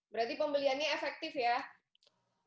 berarti pembeliannya efektif ya